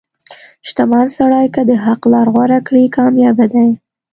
• شتمن سړی که د حق لار غوره کړي، کامیابه دی.